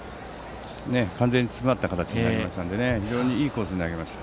完全に詰まった形になりましたので非常にいいコースに投げました。